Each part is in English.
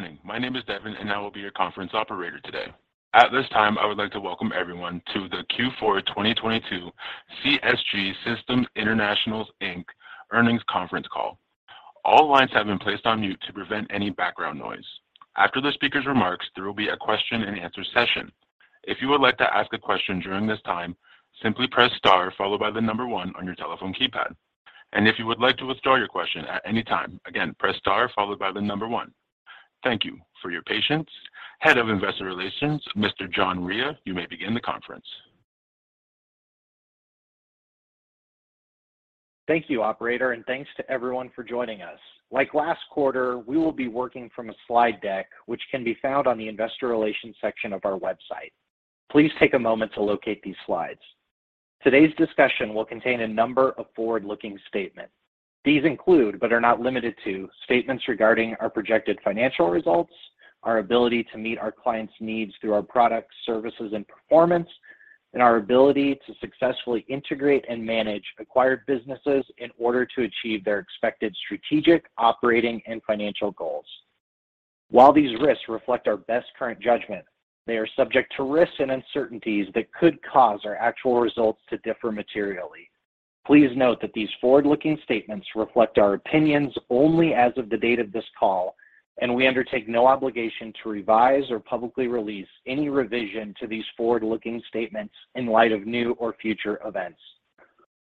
Good morning. My name is Devin, and I will be your conference operator today. At this time, I would like to welcome everyone to the Q4 2022 CSG Systems International, Inc. earnings conference call. All lines have been placed on mute to prevent any background noise. After the speaker's remarks, there will be a question and answer session. If you would like to ask a question during this time, simply press star followed by the number one on your telephone keypad. If you would like to withdraw your question at any time, again, press star followed by the number one. Thank you for your patience. Head of Investor Relations, Mr. John Rea, you may begin the conference. Thank you, Operator, and thanks to everyone for joining us. Like last quarter, we will be working from a slide deck, which can be found on the Investor Relations section of our website. Please take a moment to locate these slides. Today's discussion will contain a number of forward-looking statements. These include, but are not limited to, statements regarding our projected financial results, our ability to meet our clients' needs through our products, services, and performance, and our ability to successfully integrate and manage acquired businesses in order to achieve their expected strategic, operating, and financial goals. While these risks reflect our best current judgment, they are subject to risks and uncertainties that could cause our actual results to differ materially. Please note that these forward-looking statements reflect our opinions only as of the date of this call, and we undertake no obligation to revise or publicly release any revision to these forward-looking statements in light of new or future events.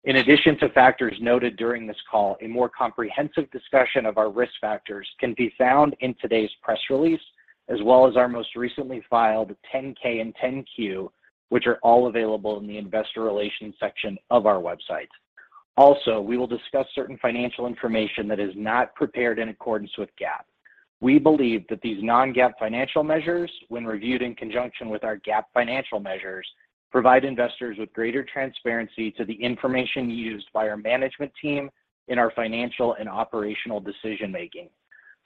In addition to factors noted during this call, a more comprehensive discussion of our risk factors can be found in today's press release, as well as our most recently filed 10-K and 10-Q, which are all available in the Investor Relations section of our website. We will discuss certain financial information that is not prepared in accordance with GAAP. We believe that these non-GAAP financial measures, when reviewed in conjunction with our GAAP financial measures, provide investors with greater transparency to the information used by our management team in our financial and operational decision-making.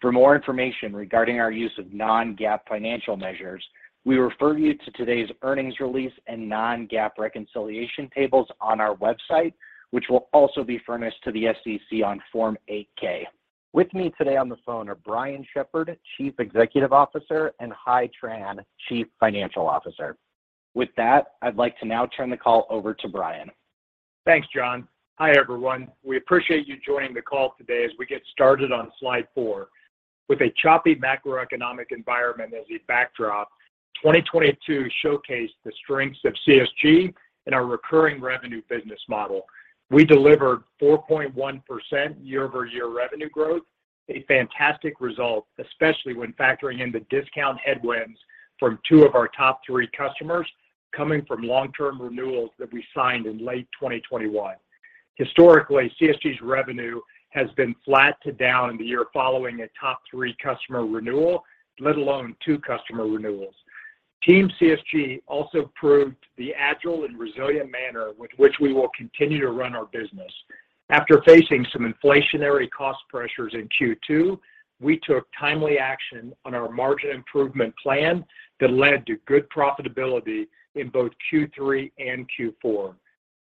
For more information regarding our use of non-GAAP financial measures, we refer you to today's earnings release and non-GAAP reconciliation tables on our website, which will also be furnished to the SEC on Form 8-K. With me today on the phone are Brian Shepherd, Chief Executive Officer, and Hai Tran, Chief Financial Officer. With that, I'd like to now turn the call over to Brian. Thanks, John. Hi, everyone. We appreciate you joining the call today as we get started on slide four. With a choppy macroeconomic environment as a backdrop, 2022 showcased the strengths of CSG and our recurring revenue business model. We delivered 4.1% year-over-year revenue growth, a fantastic result, especially when factoring in the discount headwinds from two of our top three customers coming from long-term renewals that we signed in late 2021. Historically, CSG's revenue has been flat to down in the year following a top three customer renewal, let alone two customer renewals. Team CSG also proved the agile and resilient manner with which we will continue to run our business. After facing some inflationary cost pressures in Q2, we took timely action on our margin improvement plan that led to good profitability in both Q3 and Q4.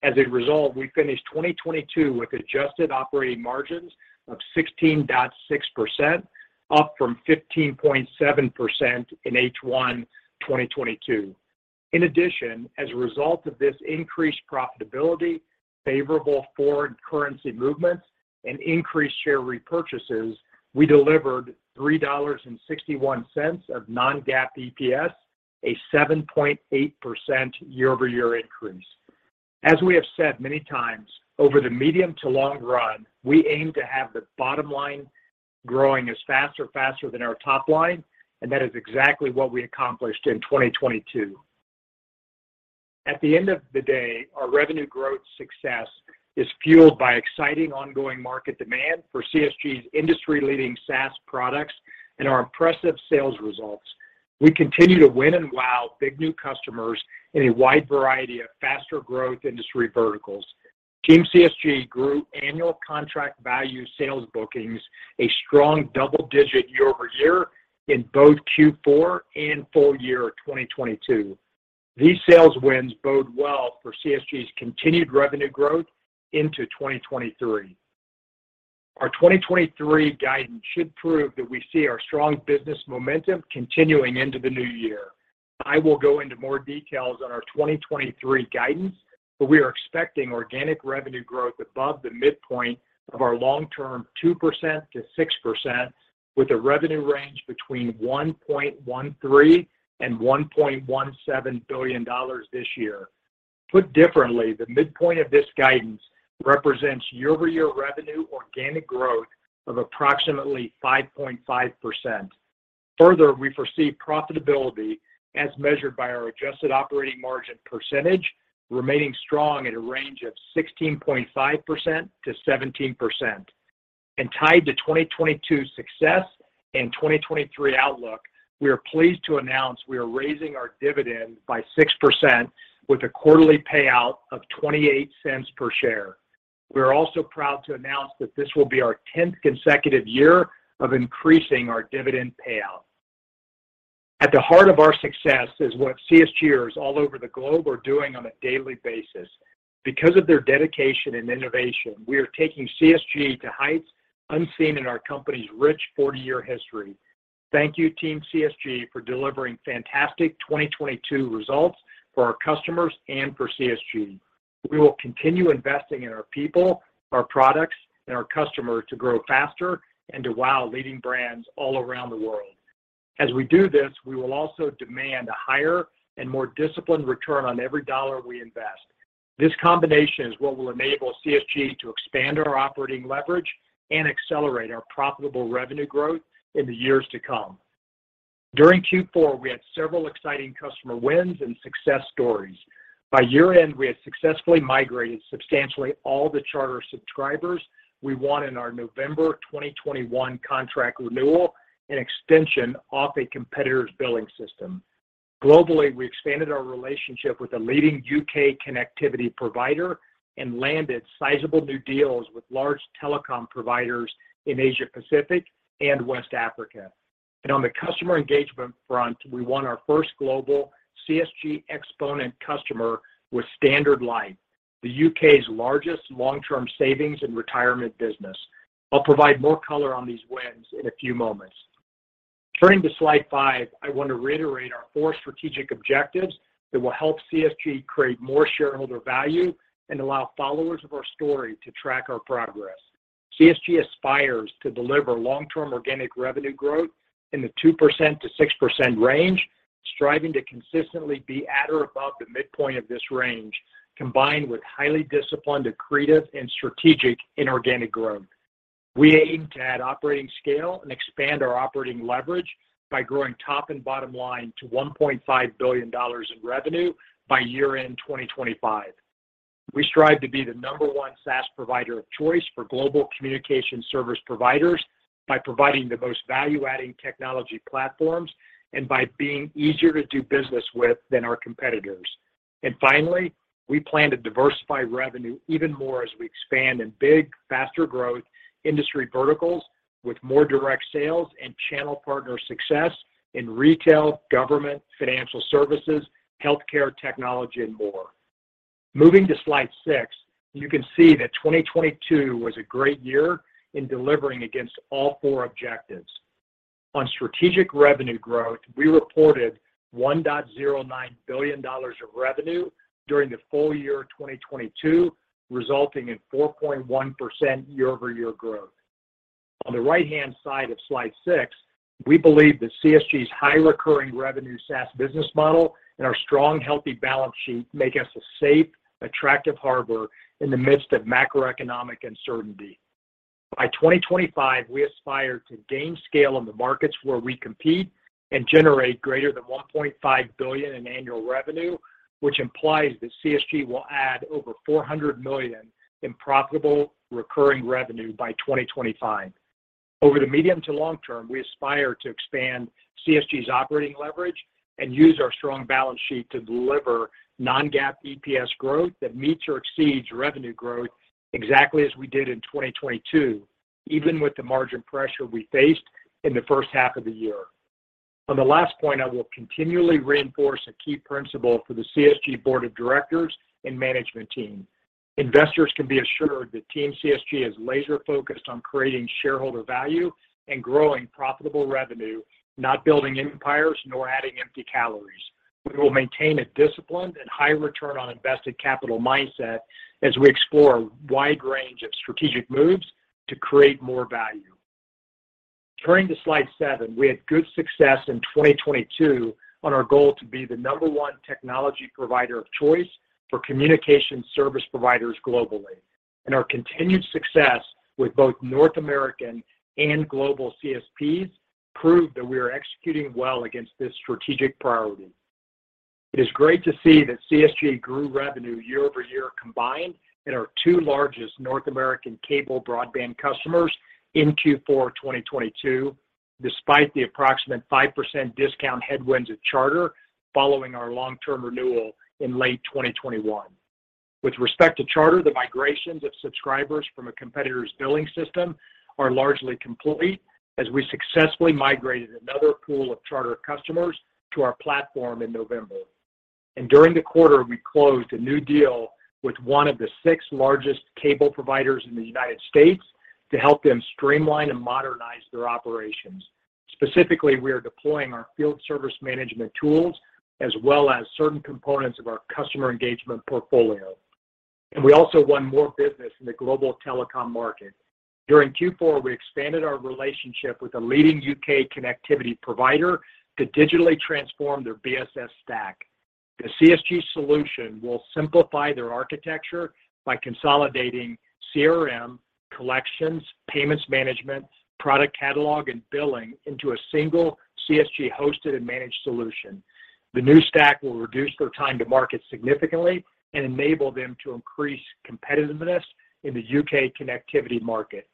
As a result, we finished 2022 with adjusted operating margins of 16.6%, up from 15.7% in H1 2022. In addition, as a result of this increased profitability, favorable foreign currency movements, and increased share repurchases, we delivered $3.61 of non-GAAP EPS, a 7.8% year-over-year increase. As we have said many times, over the medium to long run, we aim to have the bottom line growing as fast or faster than our top line, and that is exactly what we accomplished in 2022. At the end of the day, our revenue growth success is fueled by exciting ongoing market demand for CSG's industry-leading SaaS products and our impressive sales results. We continue to win and wow big new customers in a wide variety of faster growth industry verticals. Team CSG grew annual contract value sales bookings a strong double-digit year-over-year in both Q4 and full year 2022. These sales wins bode well for CSG's continued revenue growth into 2023. Our 2023 guidance should prove that we see our strong business momentum continuing into the new year. I will go into more details on our 2023 guidance, but we are expecting organic revenue growth above the midpoint of our long-term 2%-6% with a revenue range between $1.13 billion-$1.17 billion this year. Put differently, the midpoint of this guidance represents year-over-year revenue organic growth of approximately 5.5%. Further, we foresee profitability as measured by our adjusted operating margin percentage remaining strong at a range of 16.5%-17%. Tied to 2022 success and 2023 outlook, we are pleased to announce we are raising our dividend by 6% with a quarterly payout of $0.28 per share. We are also proud to announce that this will be our 10th consecutive year of increasing our dividend payout. At the heart of our success is what CSGers all over the globe are doing on a daily basis. Because of their dedication and innovation, we are taking CSG to heights unseen in our company's rich 40-year history. Thank you, Team CSG, for delivering fantastic 2022 results for our customers and for CSG. We will continue investing in our people, our products, and our customers to grow faster and to wow leading brands all around the world. As we do this, we will also demand a higher and more disciplined return on every dollar we invest. This combination is what will enable CSG to expand our operating leverage and accelerate our profitable revenue growth in the years to come. During Q4, we had several exciting customer wins and success stories. By year-end, we had successfully migrated substantially all the Charter subscribers we won in our November 2021 contract renewal and extension off a competitor's billing system. Globally, we expanded our relationship with a leading U.K. connectivity provider and landed sizable new deals with large telecom providers in Asia Pacific and West Africa. On the customer engagement front, we won our first global CSG Xponent customer with Standard Life, the U.K.'s largest long-term savings and retirement business. I'll provide more color on these wins in a few moments. Turning to slide five, I want to reiterate our four strategic objectives that will help CSG create more shareholder value and allow followers of our story to track our progress. CSG aspires to deliver long-term organic revenue growth in the 2%-6% range, striving to consistently be at or above the midpoint of this range, combined with highly disciplined, accretive, and strategic inorganic growth. We aim to add operating scale and expand our operating leverage by growing top and bottom line to $1.5 billion in revenue by year-end 2025. We strive to be the number one SaaS provider of choice for global Communication Service Providers by providing the most value-adding technology platforms and by being easier to do business with than our competitors. Finally, we plan to diversify revenue even more as we expand in big, faster growth industry verticals with more direct sales and channel partner success in retail, government, financial services, healthcare, technology, and more. Moving to slide six, you can see that 2022 was a great year in delivering against all four objectives. On strategic revenue growth, we reported $1.09 billion of revenue during the full year of 2022, resulting in 4.1% year-over-year growth. On the right-hand side of slide six, we believe that CSG's high recurring revenue SaaS business model and our strong, healthy balance sheet make us a safe, attractive harbor in the midst of macroeconomic uncertainty. By 2025, we aspire to gain scale in the markets where we compete and generate greater than $1.5 billion in annual revenue, which implies that CSG will add over $400 million in profitable recurring revenue by 2025. Over the medium to long term, we aspire to expand CSG's operating leverage and use our strong balance sheet to deliver non-GAAP EPS growth that meets or exceeds revenue growth exactly as we did in 2022, even with the margin pressure we faced in the first half of the year. On the last point, I will continually reinforce a key principle for the CSG board of directors and management team. Investors can be assured that Team CSG is laser-focused on creating shareholder value and growing profitable revenue, not building empires nor adding empty calories. We will maintain a disciplined and high return on invested capital mindset as we explore a wide range of strategic moves to create more value. Turning to slide seven, we had good success in 2022 on our goal to be the number one technology provider of choice for Communication Service Providers globally. Our continued success with both North American and global CSPs prove that we are executing well against this strategic priority. It is great to see that CSG grew revenue year-over-year combined in our two largest North American cable broadband customers in Q4 2022, despite the approximate 5% discount headwinds at Charter following our long-term renewal in late 2021. With respect to Charter, the migrations of subscribers from a competitor's billing system are largely complete as we successfully migrated another pool of Charter customers to our platform in November. During the quarter, we closed a new deal with one of the six largest cable providers in the United States to help them streamline and modernize their operations. Specifically, we are deploying our field service management tools as well as certain components of our customer engagement portfolio. We also won more business in the global telecom market. During Q4, we expanded our relationship with a leading U.K. connectivity provider to digitally transform their BSS stack. The CSG solution will simplify their architecture by consolidating CRM, collections, payments management, product catalog, and billing into a single CSG-hosted and managed solution. The new stack will reduce their time to market significantly and enable them to increase competitiveness in the U.K. connectivity market.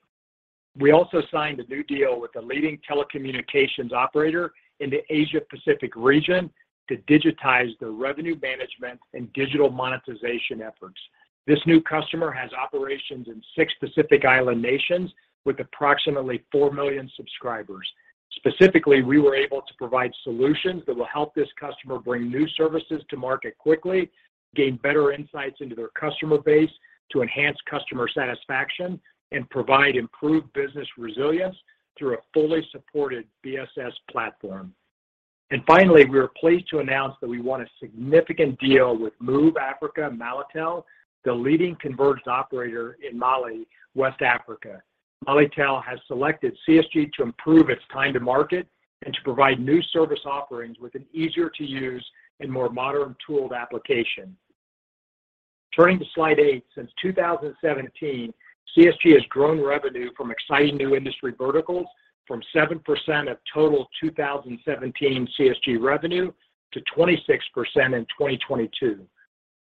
We also signed a new deal with a leading telecommunications operator in the Asia-Pacific region to digitize their revenue management and digital monetization efforts. This new customer has operations in six Pacific Island nations with approximately 4 million subscribers. Specifically, we were able to provide solutions that will help this customer bring new services to market quickly, gain better insights into their customer base to enhance customer satisfaction, and provide improved business resilience through a fully supported BSS platform. Finally, we are pleased to announce that we won a significant deal with Moov Africa Malitel, the leading converged operator in Mali, West Africa. Malitel has selected CSG to improve its time to market and to provide new service offerings with an easier to use and more modern tooled application. Turning to slide eight, since 2017, CSG has grown revenue from exciting new industry verticals from 7% of total 2017 CSG revenue to 26% in 2022.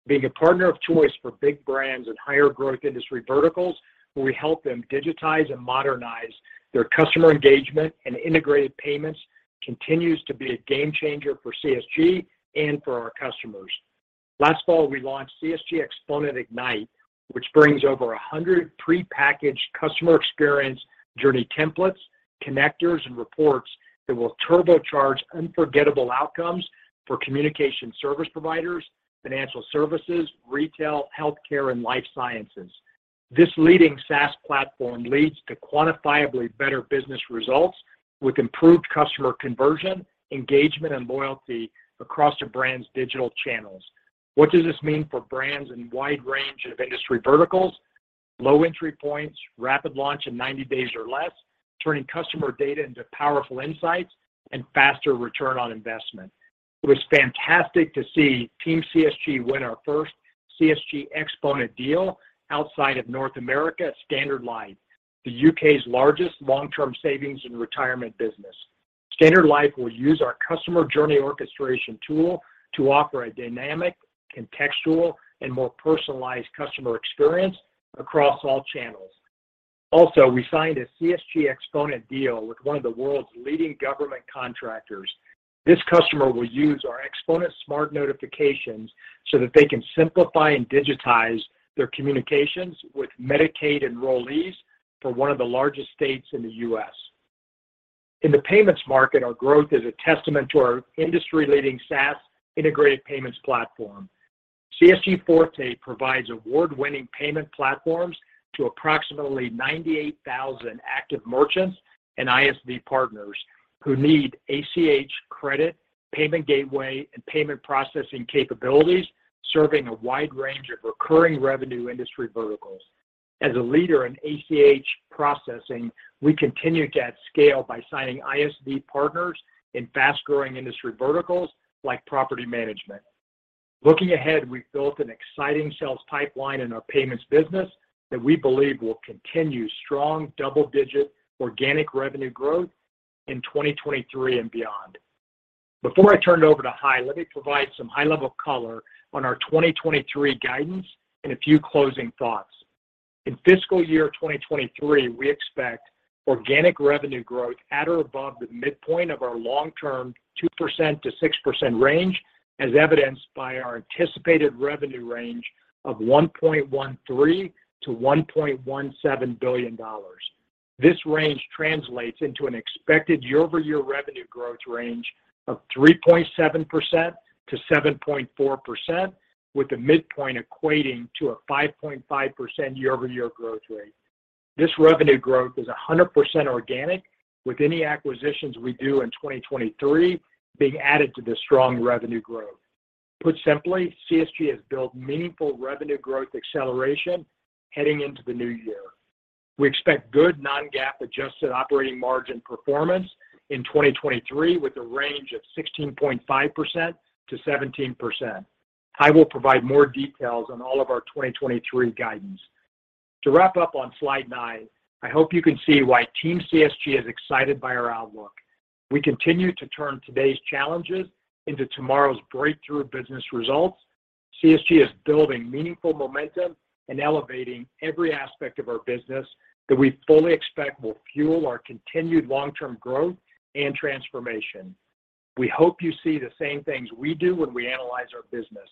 Being a partner of choice for big brands and higher growth industry verticals, we help them digitize and modernize their customer engagement and integrated payments continues to be a game changer for CSG and for our customers. Last fall, we launched CSG Xponent Ignite, which brings over 100 prepackaged customer experience journey templates, connectors, and reports that will turbocharge unforgettable outcomes for Communication Service Providers, financial services, retail, healthcare, and life sciences. This leading SaaS platform leads to quantifiably better business results with improved customer conversion, engagement, and loyalty across a brand's digital channels. What does this mean for brands in a wide range of industry verticals? Low entry points, rapid launch in 90 days or less, turning customer data into powerful insights, and faster return on investment. It was fantastic to see Team CSG win our first CSG Xponent deal outside of North America at Standard Life, the U.K.'s largest long-term savings and retirement business. Standard Life will use our customer journey orchestration tool to offer a dynamic, contextual, and more personalized customer experience across all channels. We signed a CSG Xponent deal with one of the world's leading government contractors. This customer will use our Xponent smart notifications so that they can simplify and digitize their communications with Medicaid enrollees for one of the largest states in the U.S. In the payments market, our growth is a testament to our industry-leading SaaS integrated payments platform. CSG Forte provides award-winning payment platforms to approximately 98,000 active merchants and ISV partners who need ACH credit, payment gateway, and payment processing capabilities, serving a wide range of recurring revenue industry verticals. As a leader in ACH processing, we continue to add scale by signing ISV partners in fast-growing industry verticals like property management. Looking ahead, we've built an exciting sales pipeline in our payments business that we believe will continue strong double-digit organic revenue growth in 2023 and beyond. Before I turn it over to Hai, let me provide some high-level color on our 2023 guidance and a few closing thoughts. In fiscal year 2023, we expect organic revenue growth at or above the midpoint of our long-term 2%-6% range, as evidenced by our anticipated revenue range of $1.13 billion-$1.17 billion. This range translates into an expected year-over-year revenue growth range of 3.7%-7.4%, with the midpoint equating to a 5.5% year-over-year growth rate. This revenue growth is 100% organic, with any acquisitions we do in 2023 being added to this strong revenue growth. Put simply, CSG has built meaningful revenue growth acceleration heading into the new year. We expect good non-GAAP adjusted operating margin performance in 2023, with a range of 16.5%-17%. Hai will provide more details on all of our 2023 guidance. To wrap up on slide nine, I hope you can see why Team CSG is excited by our outlook. We continue to turn today's challenges into tomorrow's breakthrough business results. CSG is building meaningful momentum and elevating every aspect of our business that we fully expect will fuel our continued long-term growth and transformation. We hope you see the same things we do when we analyze our business.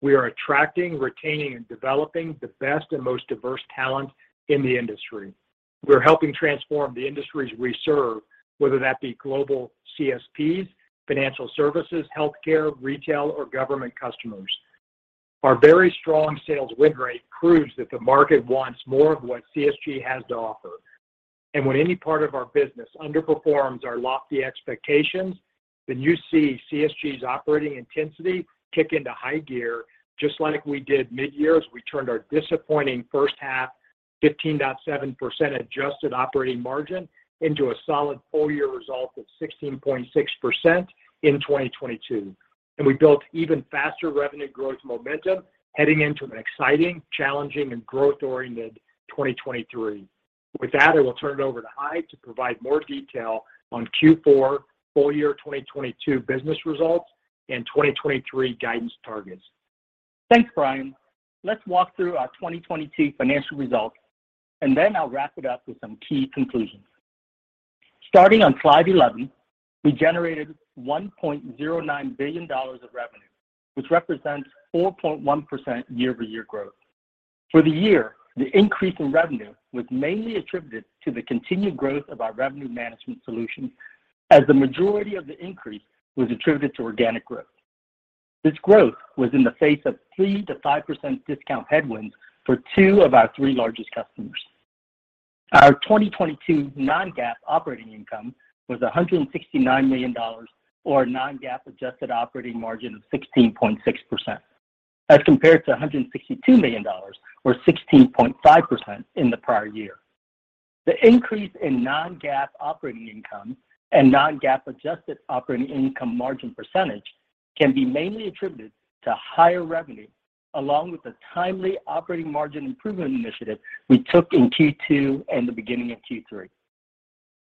We are attracting, retaining, and developing the best and most diverse talent in the industry. We're helping transform the industries we serve, whether that be global CSPs, financial services, healthcare, retail, or government customers. Our very strong sales win rate proves that the market wants more of what CSG has to offer. When any part of our business underperforms our lofty expectations, then you see CSG's operating intensity kick into high gear, just like we did mid-year as we turned our disappointing first half 15.7% adjusted operating margin into a solid full year result of 16.6% in 2022. We built even faster revenue growth momentum heading into an exciting, challenging, and growth-oriented 2023. With that, I will turn it over to Hai to provide more detail on Q4 full year 2022 business results and 2023 guidance targets. Thanks, Brian Shepherd. Let's walk through our 2022 financial results, and then I'll wrap it up with some key conclusions. Starting on slide 11, we generated $1.09 billion of revenue, which represents 4.1% year-over-year growth. For the year, the increase in revenue was mainly attributed to the continued growth of our revenue management solution as the majority of the increase was attributed to organic growth. This growth was in the face of 3%-5% discount headwinds for two of our three largest customers. Our 2022 non-GAAP operating income was $169 million or non-GAAP adjusted operating margin of 16.6%, as compared to $162 million or 16.5% in the prior year. The increase in non-GAAP operating income and non-GAAP adjusted operating income margin percentage can be mainly attributed to higher revenue along with the timely operating margin improvement initiative we took in Q2 and the beginning of Q3.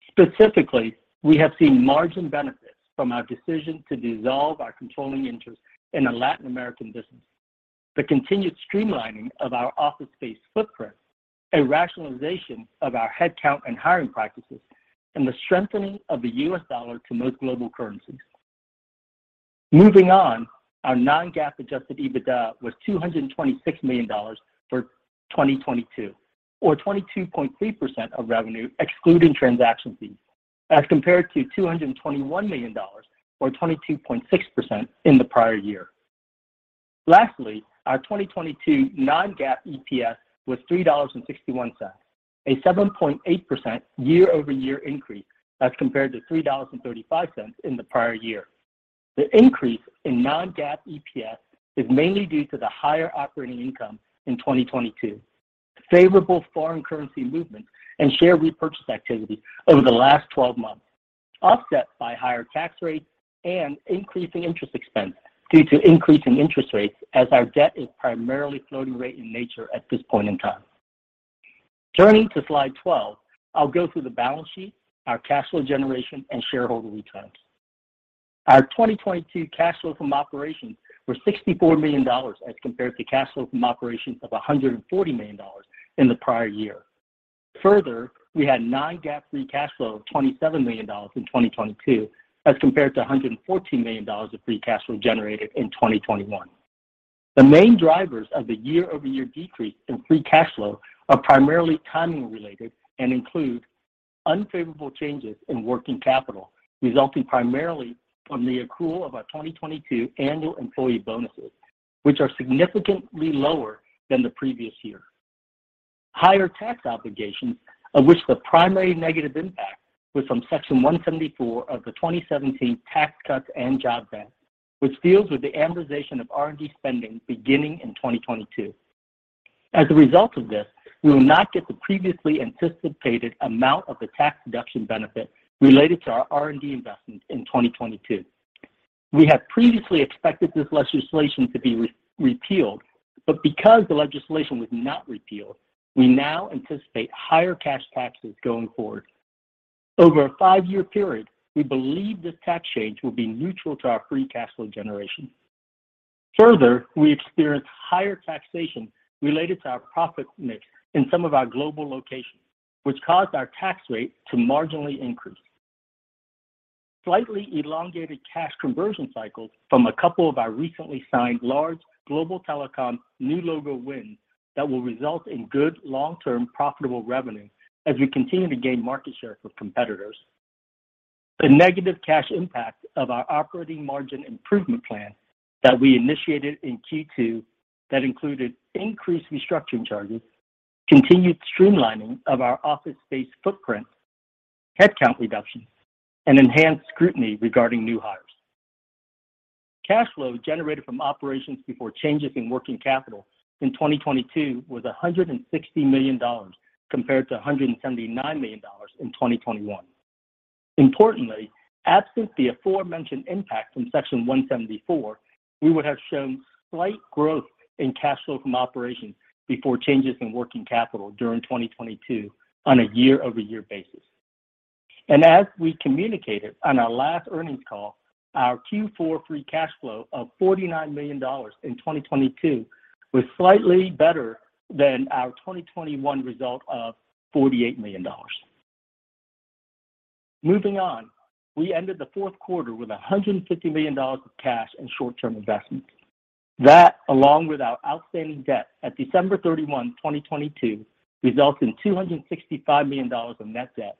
Specifically, we have seen margin benefits from our decision to dissolve our controlling interest in the Latin American business. The continued streamlining of our office space footprint, a rationalization of our headcount and hiring practices, and the strengthening of the U.S. dollar to most global currencies. Our non-GAAP adjusted EBITDA was $226 million for 2022, or 22.3% of revenue, excluding transaction fees, as compared to $221 million or 22.6% in the prior year. Lastly, our 2022 non-GAAP EPS was $3.61, a 7.8% year-over-year increase as compared to $3.35 in the prior year. The increase in non-GAAP EPS is mainly due to the higher operating income in 2022. Favorable foreign currency movements and share repurchase activity over the last 12 months, offset by higher tax rates and increasing interest expense due to increasing interest rates as our debt is primarily floating rate in nature at this point in time. Turning to slide 12, I'll go through the balance sheet, our cash flow generation, and shareholder returns. Our 2022 cash flow from operations were $64 million, as compared to cash flow from operations of $140 million in the prior year. Further, we had non-GAAP free cash flow of $27 million in 2022, as compared to $114 million of free cash flow generated in 2021. The main drivers of the year-over-year decrease in free cash flow are primarily timing related and include unfavorable changes in working capital, resulting primarily from the accrual of our 2022 annual employee bonuses, which are significantly lower than the previous year. Higher tax obligations, of which the primary negative impact was from Section 174 of the 2017 Tax Cuts and Jobs Act, which deals with the amortization of R&D spending beginning in 2022. As a result of this, we will not get the previously anticipated amount of the tax deduction benefit related to our R&D investments in 2022. We had previously expected this legislation to be re-repealed, but because the legislation was not repealed, we now anticipate higher cash taxes going forward. Over a five-year period, we believe this tax change will be neutral to our free cash flow generation. Further, we experienced higher taxation related to our profit mix in some of our global locations, which caused our tax rate to marginally increase. Slightly elongated cash conversion cycles from a couple of our recently signed large global telecom new logo wins that will result in good long-term profitable revenue as we continue to gain market share from competitors. The negative cash impact of our operating margin improvement plan that we initiated in Q2 that included increased restructuring charges, continued streamlining of our office space footprint, headcount reductions, and enhanced scrutiny regarding new hires. Cash flow generated from operations before changes in working capital in 2022 was $160 million, compared to $179 million in 2021. Importantly, absent the aforementioned impact from Section 174, we would have shown slight growth in cash flow from operations before changes in working capital during 2022 on a year-over-year basis. As we communicated on our last earnings call, our Q4 free cash flow of $49 million in 2022 was slightly better than our 2021 result of $48 million. We ended the fourth quarter with $150 million of cash and short-term investments. That, along with our outstanding debt at December 31, 2022, results in $265 million of net debt,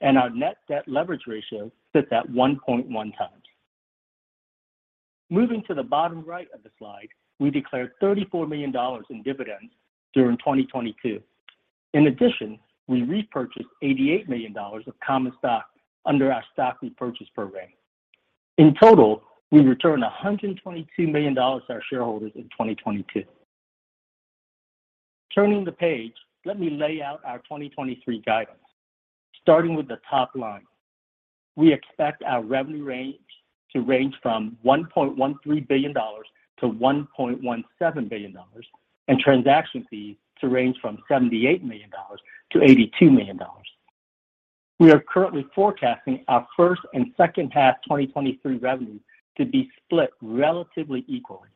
and our net debt leverage ratio sits at 1.1x. Moving to the bottom right of the slide, we declared $34 million in dividends during 2022. In addition, we repurchased $88 million of common stock under our stock repurchase program. In total, we returned $122 million to our shareholders in 2022. Turning the page, let me lay out our 2023 guidance. Starting with the top line, we expect our revenue range to range from $1.13 billion-$1.17 billion, and transaction fees to range from $78 million-$82 million. We are currently forecasting our first and second half 2023 revenue to be split relatively equally.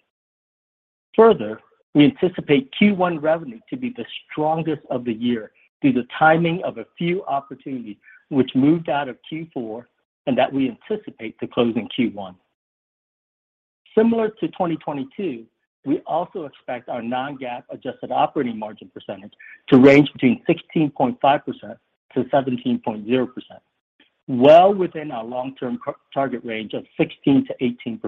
Further, we anticipate Q1 revenue to be the strongest of the year due to the timing of a few opportunities which moved out of Q4 and that we anticipate to close in Q1. Similar to 2022, we also expect our non-GAAP adjusted operating margin percentage to range between 16.5%-17.0%, well within our long-term target range of 16%-18%.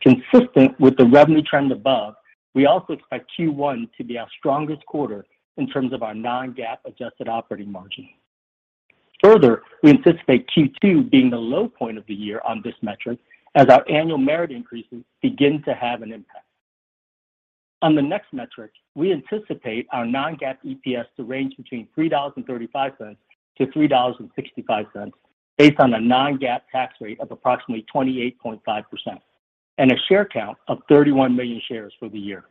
Consistent with the revenue trend above, we also expect Q1 to be our strongest quarter in terms of our non-GAAP adjusted operating margin. Further, we anticipate Q2 being the low point of the year on this metric as our annual merit increases begin to have an impact. On the next metric, we anticipate our non-GAAP EPS to range between $3.35-$3.65 based on a non-GAAP tax rate of approximately 28.5% and a share count of 31 million shares for the year.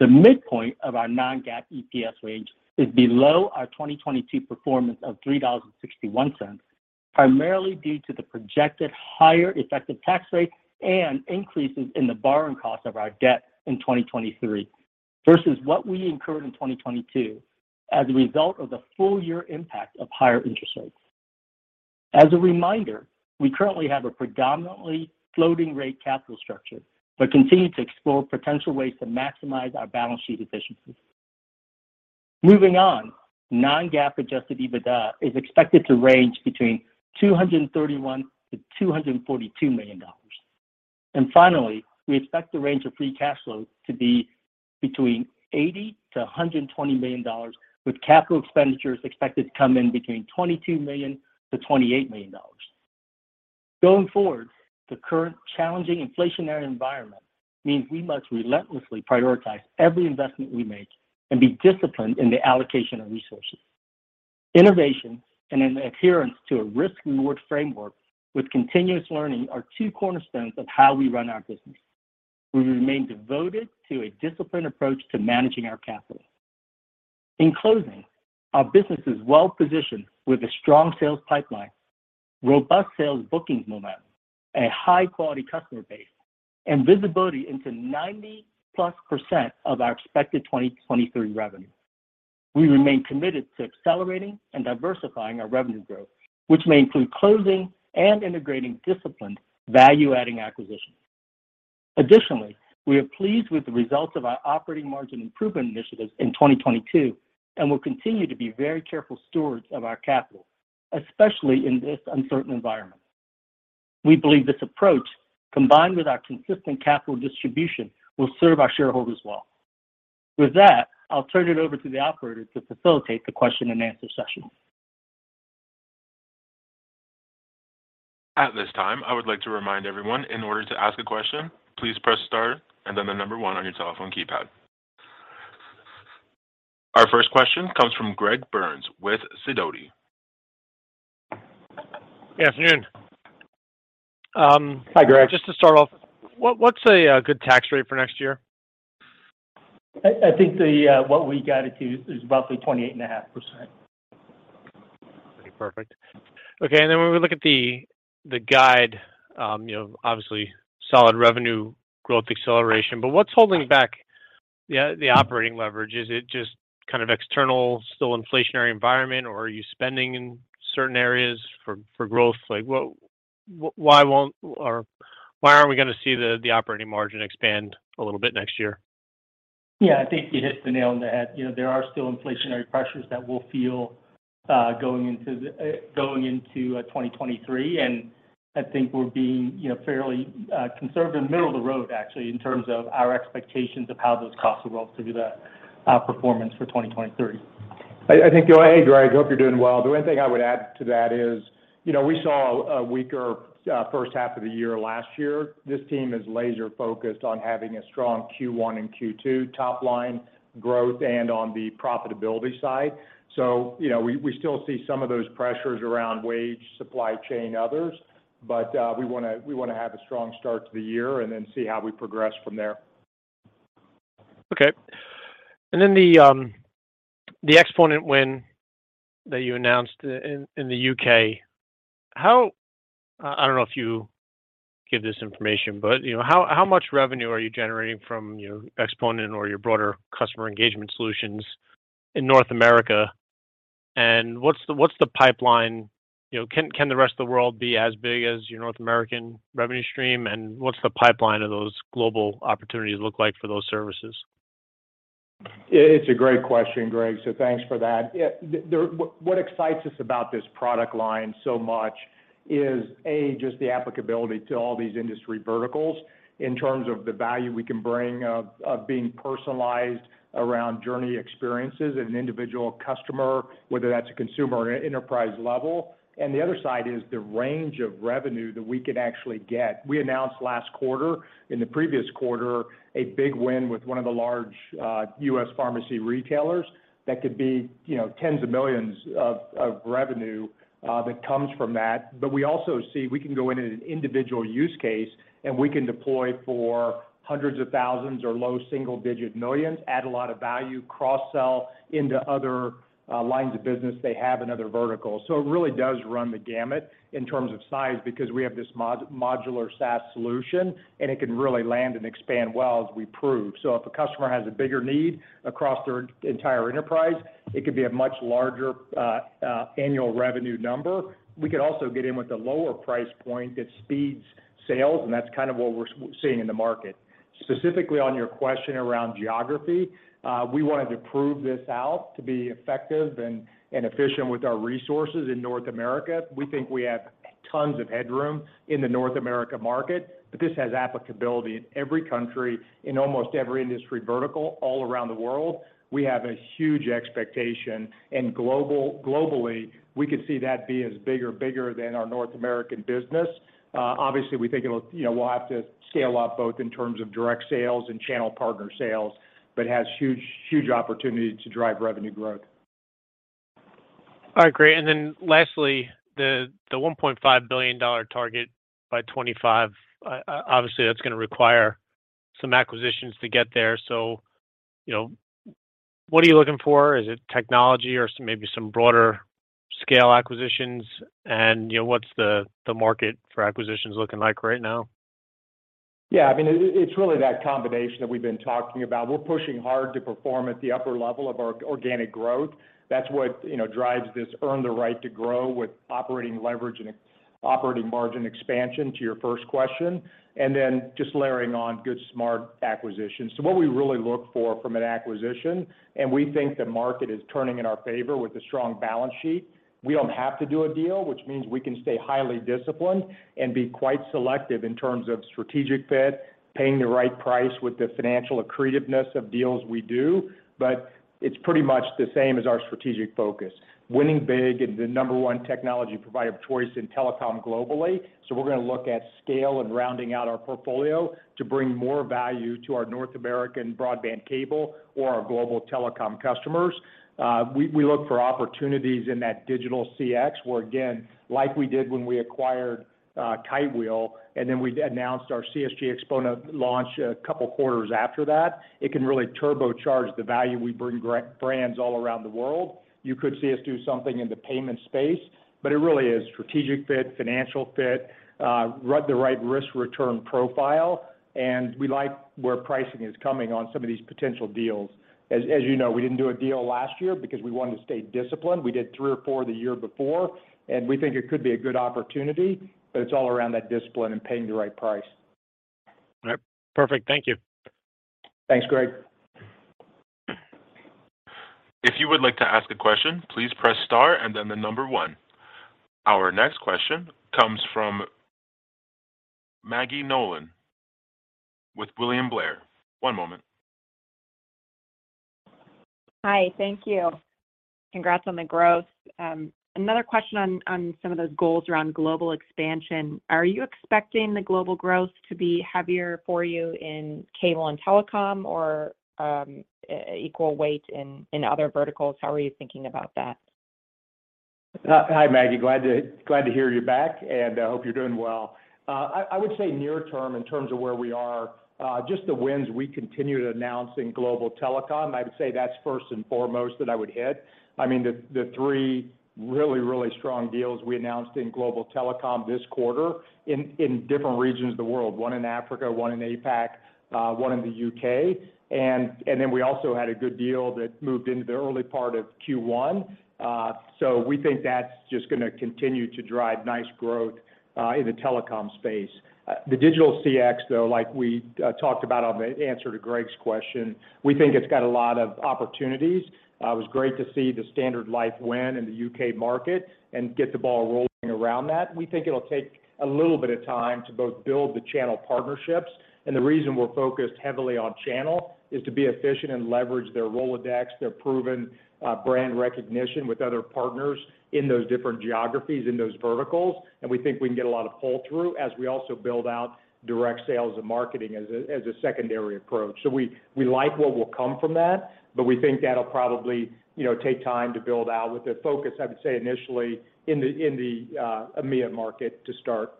The midpoint of our non-GAAP EPS range is below our 2022 performance of $3.61, primarily due to the projected higher effective tax rate and increases in the borrowing cost of our debt in 2023 versus what we incurred in 2022 as a result of the full year impact of higher interest rates. As a reminder, we currently have a predominantly floating rate capital structure, but continue to explore potential ways to maximize our balance sheet efficiencies. Moving on, non-GAAP adjusted EBITDA is expected to range between $231 million-$242 million. Finally, we expect the range of free cash flow to be between $80 million-$120 million, with capital expenditures expected to come in between $22 million-$28 million. Going forward, the current challenging inflationary environment means we must relentlessly prioritize every investment we make and be disciplined in the allocation of resources. Innovation and an adherence to a risk/reward framework with continuous learning are two cornerstones of how we run our business. We remain devoted to a disciplined approach to managing our capital. In closing, our business is well-positioned with a strong sales pipeline, robust sales bookings momentum, a high-quality customer base, and visibility into 90%+ of our expected 2023 revenue. We remain committed to accelerating and diversifying our revenue growth, which may include closing and integrating disciplined value-adding acquisitions. Additionally, we are pleased with the results of our operating margin improvement initiatives in 2022 and will continue to be very careful stewards of our capital, especially in this uncertain environment. We believe this approach, combined with our consistent capital distribution, will serve our shareholders well. With that, I'll turn it over to the Operator to facilitate the question and answer session. At this time, I would like to remind everyone in order to ask a question, please press star and then the number one on your telephone keypad. Our first question comes from Greg Burns with Sidoti. Good afternoon. Hi, Greg. Just to start off, what's a good tax rate for next year? I think the what we guided to is roughly 28.5%. Perfect. When we look at the guide, you know, obviously solid revenue growth acceleration. What's holding back the operating leverage? Is it just kind of external, still inflationary environment or are you spending in certain areas for growth? Like, why won't or why aren't we gonna see the operating margin expand a little bit next year? Yeah. I think you hit the nail on the head. You know, there are still inflationary pressures that we'll feel, going into the, going into, 2023. I think we're being, you know, fairly, conservative, middle of the road, actually, in terms of our expectations of how those costs will roll through the, performance for 2023. I think. Hey, Greg. Hope you're doing well. The only thing I would add to that is, you know, we saw a weaker first half of the year last year. This team is laser-focused on having a strong Q1 and Q2 top line growth and on the profitability side. You know, we still see some of those pressures around wage, supply chain, others, but we wanna have a strong start to the year and then see how we progress from there. Okay. Then the Xponent win that you announced in the U.K. I don't know if you give this information, but, you know, how much revenue are you generating from your Xponent or your broader customer engagement solutions in North America? What's the pipeline? You know, can the rest of the world be as big as your North American revenue stream? What's the pipeline of those global opportunities look like for those services? It's a great question, Greg. Thanks for that. Yeah, what excites us about this product line so much is, A, just the applicability to all these industry verticals in terms of the value we can bring of being personalized around journey experiences and an individual customer, whether that's a consumer or enterprise level. The other side is the range of revenue that we can actually get. We announced last quarter, in the previous quarter, a big win with one of the large U.S. pharmacy retailers that could be, you know, tens of millions of revenue that comes from that. We also see we can go in at an individual use case and we can deploy for hundreds of thousands or low single digit millions, add a lot of value, cross-sell into other lines of business they have in other verticals. It really does run the gamut in terms of size because we have this modular SaaS solution, and it can really land and expand well as we prove. If a customer has a bigger need across their entire enterprise, it could be a much larger annual revenue number. We could also get in with a lower price point that speeds sales, and that's kind of what we're seeing in the market. Specifically on your question around geography, we wanted to prove this out to be effective and efficient with our resources in North America. We think we have tons of headroom in the North America market. This has applicability in every country, in almost every industry vertical all around the world. We have a huge expectation, globally, we could see that be as bigger than our North American business. Obviously, we think it'll, you know, we'll have to scale up both in terms of direct sales and channel partner sales. Has huge opportunity to drive revenue growth. All right, great. Lastly, the $1.5 billion target by 2025, obviously, that's gonna require some acquisitions to get there. You know, what are you looking for? Is it technology or maybe some broader scale acquisitions? You know, what's the market for acquisitions looking like right now? Yeah, I mean, it's really that combination that we've been talking about. We're pushing hard to perform at the upper level of our organic growth. That's what, you know, drives this earn the right to grow with operating leverage and operating margin expansion to your first question, and then just layering on good, smart acquisitions. What we really look for from an acquisition, and we think the market is turning in our favor with a strong balance sheet. We don't have to do a deal, which means we can stay highly disciplined and be quite selective in terms of strategic fit, paying the right price with the financial accretiveness of deals we do. It's pretty much the same as our strategic focus, winning big and the number one technology provider of choice in telecom globally. We're gonna look at scale and rounding out our portfolio to bring more value to our North American broadband cable or our global telecom customers. We look for opportunities in that digital CX, where again, like we did when we acquired Kitewheel, and then we announced our CSG Xponent launch a couple quarters after that. It can really turbocharge the value we bring brands all around the world. You could see us do something in the payment space, but it really is strategic fit, financial fit, the right risk return profile. We like where pricing is coming on some of these potential deals. As you know, we didn't do a deal last year because we wanted to stay disciplined. We did three or four the year before, and we think it could be a good opportunity, but it's all around that discipline and paying the right price. All right. Perfect. Thank you. Thanks, Greg. If you would like to ask a question, please press star and then the number one. Our next question comes from Maggie Nolan with William Blair. One moment. Hi, thank you. Congrats on the growth. Another question on some of those goals around global expansion. Are you expecting the global growth to be heavier for you in cable and telecom or equal weight in other verticals? How are you thinking about that? Hi, Maggie. Glad to hear you're back, and I hope you're doing well. I would say near term, in terms of where we are, just the wins we continue to announce in global telecom, I would say that's first and foremost that I would hit. I mean, the three really strong deals we announced in global telecom this quarter in different regions of the world, one in Africa, one in APAC, one in the U.K. Then we also had a good deal that moved into the early part of Q1. We think that's just gonna continue to drive nice growth in the telecom space. The digital CX, though, like we talked about on the answer to Greg's question, we think it's got a lot of opportunities. It was great to see the Standard Life win in the U.K. market and get the ball rolling around that. We think it'll take a little bit of time to both build the channel partnerships. The reason we're focused heavily on channel is to be efficient and leverage their Rolodex, their proven brand recognition with other partners in those different geographies, in those verticals. We think we can get a lot of pull-through as we also build out direct sales and marketing as a, as a secondary approach. We, we like what will come from that, but we think that'll probably, you know, take time to build out with the focus, I would say, initially in the, in the AMEA market to start.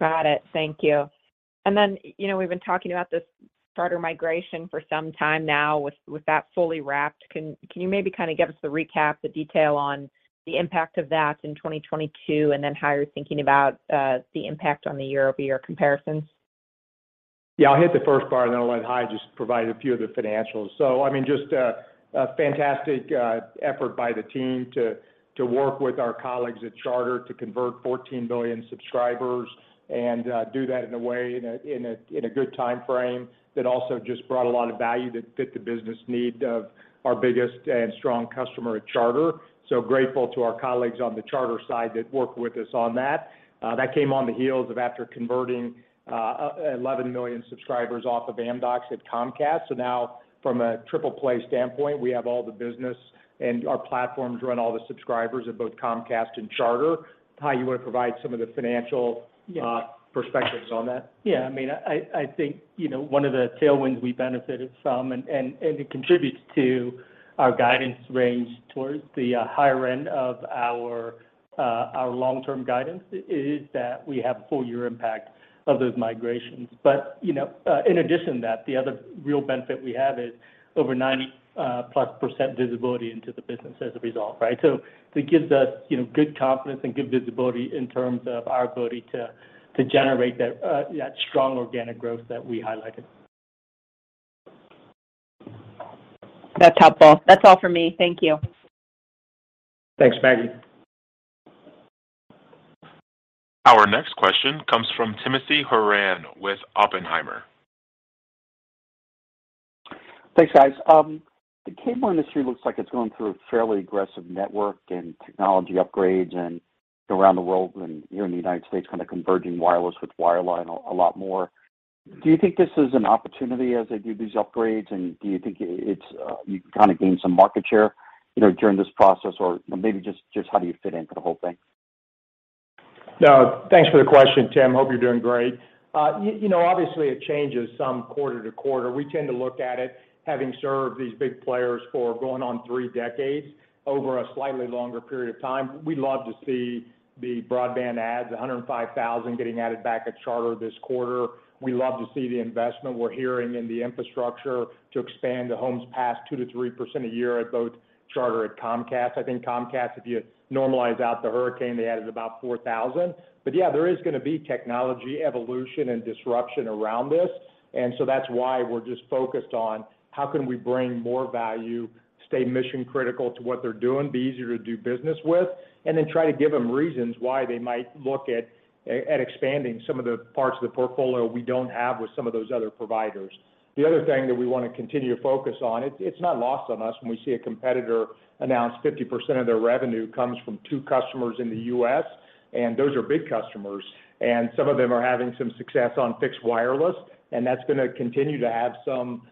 Got it. Thank you. Then, you know, we've been talking about this Charter migration for some time now. With that fully wrapped, can you maybe kind of give us the recap, the detail on the impact of that in 2022, and then how you're thinking about the impact on the year-over-year comparisons? Yeah, I'll hit the first part, and then I'll let Hai just provide a few of the financials. I mean, just a fantastic effort by the team to work with our colleagues at Charter to convert 14 billion subscribers and do that in a way in a good time frame that also just brought a lot of value that fit the business need of our biggest and strong customer at Charter. Grateful to our colleagues on the Charter side that worked with us on that. That came on the heels of after converting 11 million subscribers off of Amdocs at Comcast. Now from a triple play standpoint, we have all the business and our platforms run all the subscribers at both Comcast and Charter. Hai, you wanna provide some of the financial- Yeah. Perspectives on that? I mean, I think, you know, one of the tailwinds we benefited from and it contributes to our guidance range towards the higher end of our long-term guidance is that we have full year impact of those migrations. You know, in addition to that, the other real benefit we have is over 90%+ visibility into the business as a result, right? It gives us, you know, good confidence and good visibility in terms of our ability to generate that strong organic growth that we highlighted. That's helpful. That's all for me. Thank you. Thanks, Maggie. Our next question comes from Timothy Horan with Oppenheimer. Thanks, guys. The cable industry looks like it's going through a fairly aggressive network and technology upgrades and around the world and here in the United States, kind of converging wireless with wireline a lot more. Do you think this is an opportunity as they do these upgrades, and do you think it's, you can kind of gain some market share, you know, during this process? Maybe just how do you fit into the whole thing? No, thanks for the question, Tim. Hope you're doing great. You know, obviously it changes some quarter to quarter. We tend to look at it, having served these big players for going on three decades, over a slightly longer period of time. We love to see the broadband adds, 105,000 getting added back at Charter this quarter. We love to see the investment we're hearing in the infrastructure to expand the homes passed 2%-3% a year at both Charter at Comcast. I think Comcast, if you normalize out the hurricane, they added about 4,000. Yeah, there is gonna be technology evolution and disruption around this. That's why we're just focused on how can we bring more value, stay mission-critical to what they're doing, be easier to do business with, and then try to give them reasons why they might look at expanding some of the parts of the portfolio we don't have with some of those other providers. The other thing that we wanna continue to focus on, it's not lost on us when we see a competitor announce 50% of their revenue comes from two customers in the U.S., and those are big customers. Some of them are having some success on fixed wireless, and that's gonna continue to have some,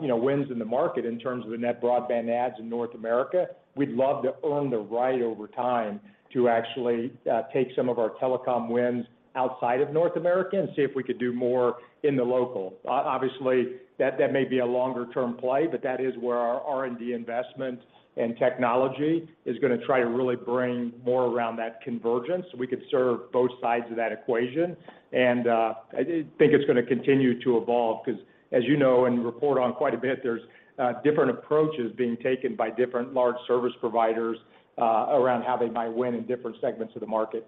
you know, wins in the market in terms of the net broadband adds in North America. We'd love to earn the right over time to actually take some of our telecom wins outside of North America and see if we could do more in the local. Obviously, that may be a longer-term play, but that is where our R&D investment and technology is gonna try to really bring more around that convergence, so we could serve both sides of that equation. I think it's gonna continue to evolve, 'cause as you know and report on quite a bit, there's different approaches being taken by different large service providers around how they might win in different segments of the market.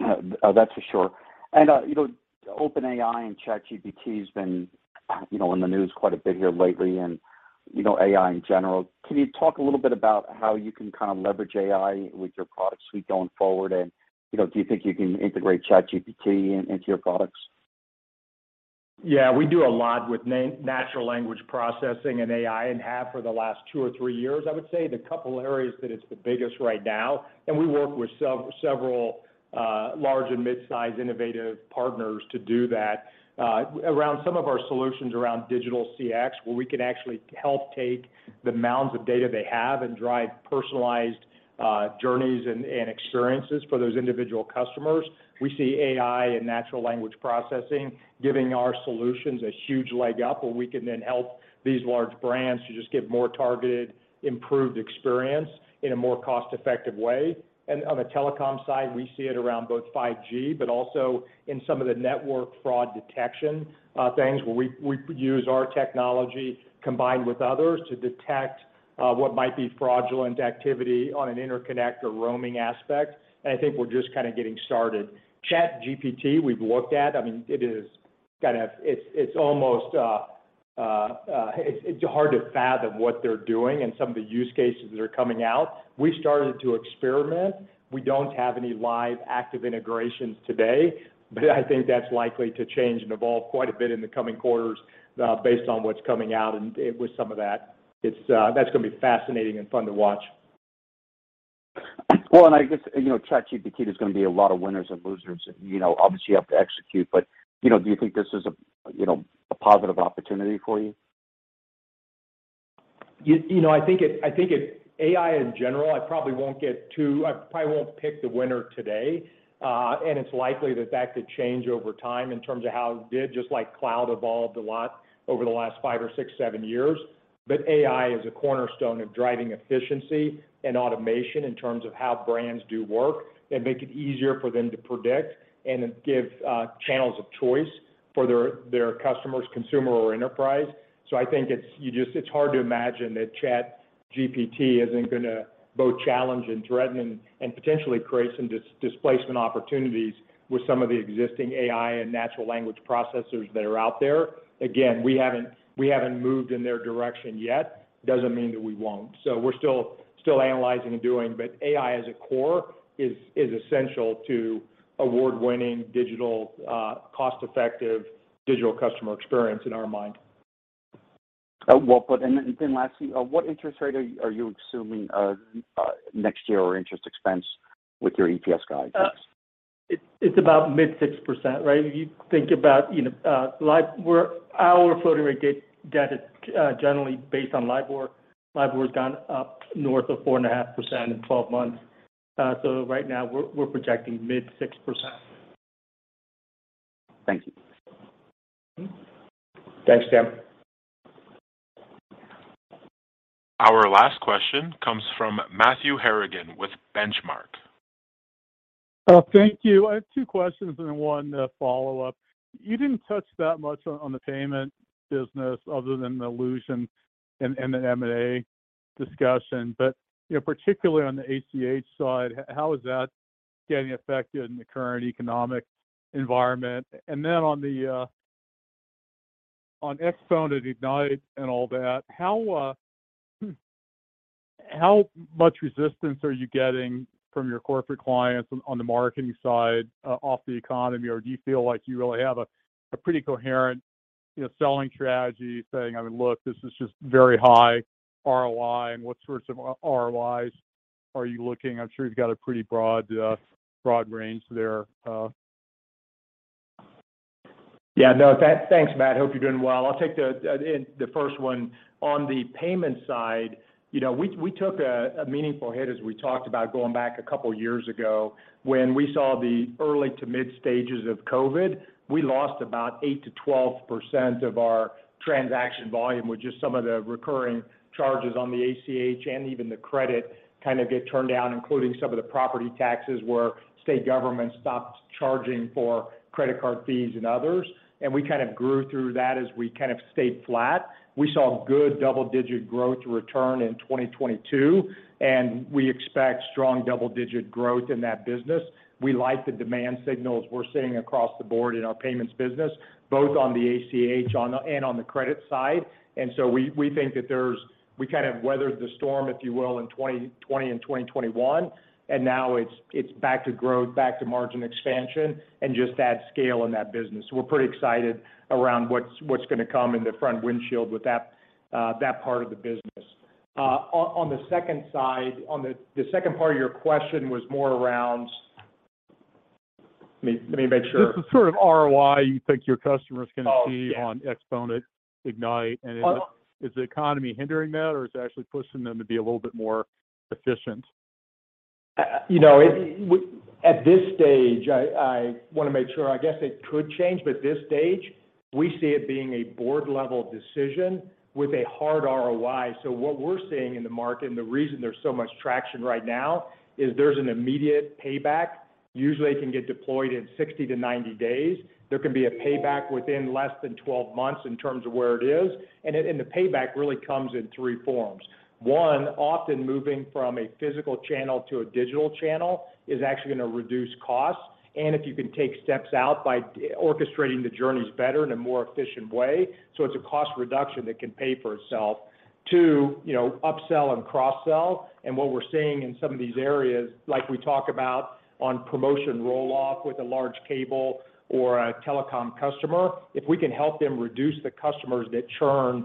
That's for sure. you know, OpenAI and ChatGPT has been, you know, in the news quite a bit here lately, and, you know, AI in general. Can you talk a little bit about how you can kind of leverage AI with your product suite going forward and, you know, do you think you can integrate ChatGPT into your products? We do a lot with natural language processing and AI and have for the last two or three years. I would say the couple areas that it's the biggest right now, we work with several large and mid-size innovative partners to do that around some of our solutions around digital CX, where we can actually help take the mounds of data they have and drive personalized journeys and experiences for those individual customers. We see AI and natural language processing giving our solutions a huge leg up, where we can then help these large brands to just give more targeted, improved experience in a more cost-effective way. On the telecom side, we see it around both 5G, but also in some of the network fraud detection things, where we use our technology combined with others to detect what might be fraudulent activity on an interconnect or roaming aspect. I think we're just kinda getting started. ChatGPT, we've looked at. I mean, it is kind of. It's almost hard to fathom what they're doing and some of the use cases that are coming out. We started to experiment. We don't have any live active integrations today, but I think that's likely to change and evolve quite a bit in the coming quarters, based on what's coming out and with some of that. That's gonna be fascinating and fun to watch. I guess, you know, ChatGPT, there's gonna be a lot of winners and losers. You know, obviously, you have to execute. You know, do you think this is a, you know, a positive opportunity for you? You, you know, I think AI in general, I probably won't pick the winner today. It's likely that that could change over time in terms of how it did, just like cloud evolved a lot over the last five or six, seven years. AI is a cornerstone of driving efficiency and automation in terms of how brands do work and make it easier for them to predict and give channels of choice for their customers, consumer or enterprise. I think it's, you just. It's hard to imagine that ChatGPT isn't gonna both challenge and threaten and potentially create some dis-displacement opportunities with some of the existing AI and natural language processors that are out there. Again, we haven't, we haven't moved in their direction yet. Doesn't mean that we won't. We're still analyzing and doing. AI as a core is essential to award-winning digital, cost-effective digital customer experience in our mind. Well put. Lastly, what interest rate are you assuming next year or interest expense with your EPS guidance? It's about mid 6%, right? If you think about, you know, Our floating rate debt is generally based on LIBOR. LIBOR's gone up north of 4.5% in 12 months. Right now we're projecting mid 6%. Thank you. Mm-hmm. Thanks, Tim. Our last question comes from Matthew Harrigan with Benchmark. Thank you. I have two questions and one follow-up. You didn't touch that much on the payment business other than the allusion in the M&A discussion. You know, particularly on the ACH side, how is that getting affected in the current economic environment? Then on the Xponent and Ignite and all that, how much resistance are you getting from your corporate clients on the marketing side off the economy? Or do you feel like you really have a pretty coherent, you know, selling strategy saying, "I mean, look, this is just very high ROI," and what sorts of ROI are you looking? I'm sure you've got a pretty broad range there. Yeah, no. Thanks, Matt. Hope you're doing well. I'll take the first one. On the payment side, you know, we took a meaningful hit as we talked about going back a couple years ago when we saw the early to mid-stages of COVID. We lost about 8%-12% of our transaction volume, which is some of the recurring charges on the ACH and even the credit kind of get turned down, including some of the property taxes where state government stopped charging for credit card fees and others. We kind of grew through that as we kind of stayed flat. We saw good double-digit growth return in 2022. We expect strong double-digit growth in that business. We like the demand signals we're seeing across the board in our payments business, both on the ACH and on the credit side. We think that we kind of weathered the storm, if you will, in 2020 and 2021, and now it's back to growth, back to margin expansion and just add scale in that business. We're pretty excited around what's gonna come in the front windshield with that part of the business. on the second side. The second part of your question was more around. Let me make sure. Just the sort of ROI you think your customers can see- Oh, yeah. on Xponent Ignite, and is the economy hindering that, or is it actually pushing them to be a little bit more efficient? You know, at this stage, I want to make sure, I guess it could change, but at this stage, we see it being a board-level decision with a hard ROI. What we're seeing in the market, and the reason there's so much traction right now, is there's an immediate payback. Usually it can get deployed in 60 days to 90 days. There can be a payback within less than 12 months in terms of where it is. The payback really comes in three forms. One, often moving from a physical channel to a digital channel is actually gonna reduce costs, and if you can take steps out by orchestrating the journeys better in a more efficient way, so it's a cost reduction that can pay for itself. Two, you know, upsell and cross-sell. What we're seeing in some of these areas, like we talk about on promotion roll-off with a large cable or a telecom customer, if we can help them reduce the customers that churn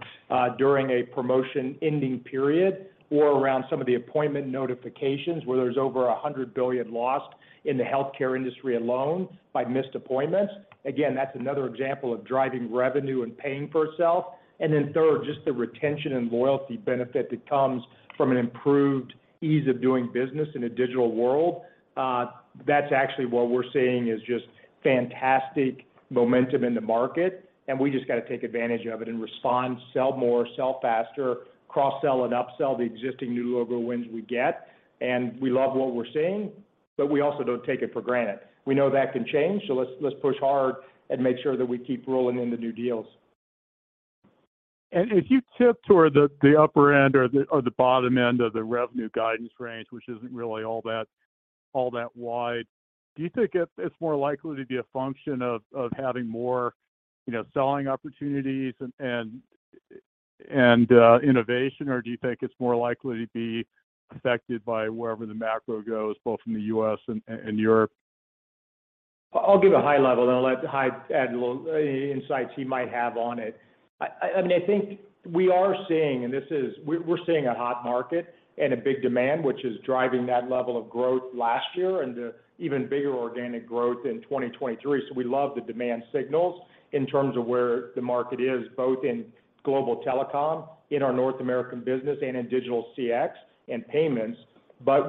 during a promotion ending period or around some of the appointment notifications, where there's over $100 billion lost in the healthcare industry alone by missed appointments. Again, that's another example of driving revenue and paying for itself. Third, just the retention and loyalty benefit that comes from an improved ease of doing business in a digital world. That's actually what we're seeing is just fantastic momentum in the market, we just gotta take advantage of it and respond, sell more, sell faster, cross-sell and upsell the existing new logo wins we get. We love what we're seeing, but we also don't take it for granted. We know that can change. Let's push hard and make sure that we keep rolling in the new deals. If you tip toward the upper end or the bottom end of the revenue guidance range, which isn't really all that wide, do you think it's more likely to be a function of having more, you know, selling opportunities and innovation, or do you think it's more likely to be affected by wherever the macro goes, both in the U.S. and Europe? I'll give a high level, then I'll let Hai add a little insights he might have on it. I mean, I think we are seeing, and this is. We're seeing a hot market and a big demand, which is driving that level of growth last year into even bigger organic growth in 2023. We love the demand signals in terms of where the market is, both in global telecom, in our North American business, and in digital CX and payments.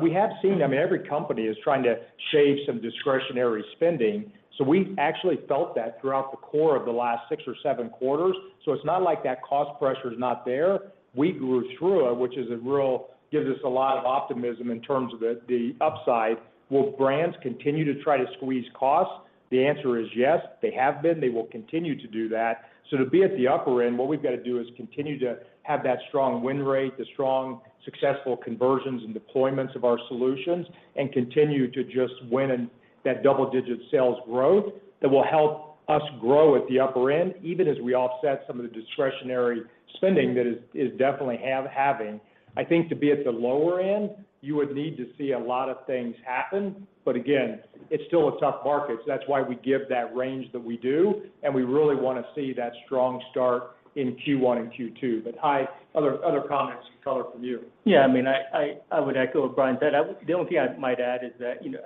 We have seen, I mean, every company is trying to shave some discretionary spending. We actually felt that throughout the core of the last six or seven quarters. It's not like that cost pressure is not there. We grew through it, which is a real gives us a lot of optimism in terms of the upside. Will brands continue to try to squeeze costs? The answer is yes. They have been. They will continue to do that. To be at the upper end, what we've got to do is continue to have that strong win rate, the strong successful conversions and deployments of our solutions, and continue to just win in that double-digit sales growth that will help us grow at the upper end, even as we offset some of the discretionary spending that is definitely having. I think to be at the lower end, you would need to see a lot of things happen. Again, it's still a tough market. That's why we give that range that we do, and we really wanna see that strong start in Q1 and Q2. Hai, other comments and color from you. I mean, I, I would echo what Brian said. The only thing I might add is that, you know,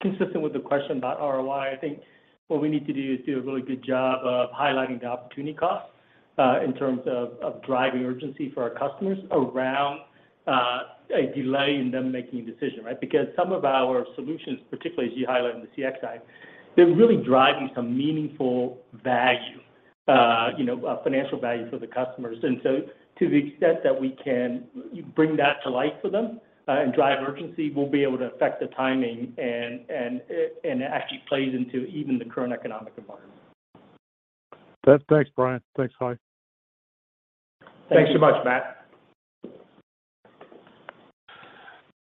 consistent with the question about ROI, I think what we need to do is do a really good job of highlighting the opportunity costs in terms of driving urgency for our customers around a delay in them making a decision, right? Some of our solutions, particularly as you highlighted on the CX side, they're really driving some meaningful value, you know, financial value for the customers. To the extent that we can bring that to life for them and drive urgency, we'll be able to affect the timing and it, and it actually plays into even the current economic environment. Thanks, Brian. Thanks, Hai. Thanks so much, Matt.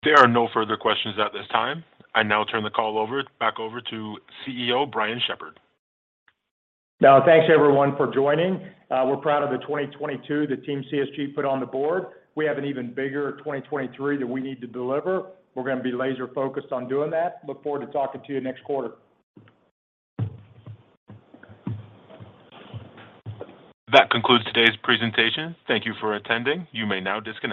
There are no further questions at this time. I now turn the call over, back over to CEO, Brian Shepherd. Thanks everyone for joining. We're proud of the 2022 the Team CSG put on the board. We have an even bigger 2023 that we need to deliver. We're gonna be laser-focused on doing that. Look forward to talking to you next quarter. That concludes today's presentation. Thank you for attending. You may now disconnect.